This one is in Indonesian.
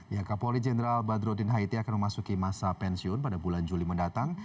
waka polri jenderal badrodin haitia akan memasuki masa pensiun pada bulan juli mendatang